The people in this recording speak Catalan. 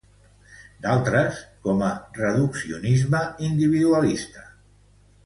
D'altres, com a reduccionisme individualista.